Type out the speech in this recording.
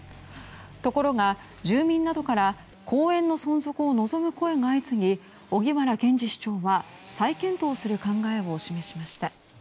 ところが、住民などから公園の存続を望む声が相次ぎ荻原健司市長は再検討する考えを示しました。